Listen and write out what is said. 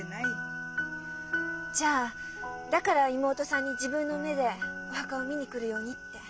じゃあだから妹さんに自分の目でお墓を見に来るようにって？